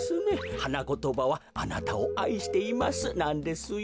はなことばは「あなたをあいしています」なんですよ。